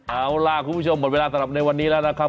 เอาล่ะคุณผู้ชมหมดเวลาสำหรับในวันนี้แล้วนะครับ